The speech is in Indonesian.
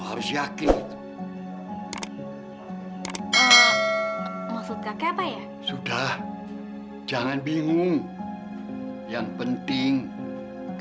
berarti ini yang benar